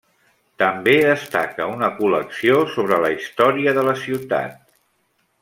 També destaca una col·lecció sobre la història de la ciutat.